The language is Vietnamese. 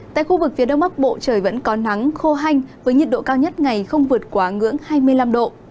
tại khu vực phía đông bắc bộ trời vẫn có nắng khô hanh với nhiệt độ cao nhất ngày không vượt quá ngưỡng hai mươi năm độ